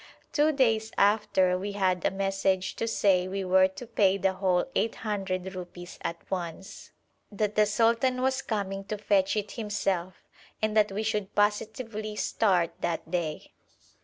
Two days after we had a message to say we were to pay the whole 800 rupees at once, that the sultan was coming to fetch it himself, and that we should positively start that day.